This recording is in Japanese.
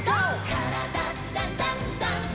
「からだダンダンダン」